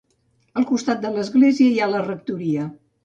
Al costat de l'església hi ha la rectoria.